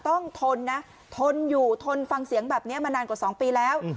ทนนะทนอยู่ทนฟังเสียงแบบนี้มานานกว่า๒ปีแล้ว